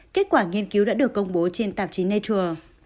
kết quả nghiên cứu đã được công bố trên tạp chí nature